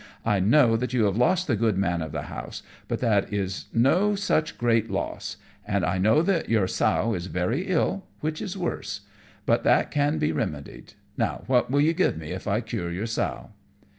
I know that you have lost the good man of the house, but that is no such great loss; and I know that your sow is very ill, which is worse; but that can be remedied. Now, what will you give me if I cure your sow?"